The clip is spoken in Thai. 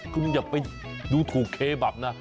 คุณอย่าไปดูถูกเคบับนะ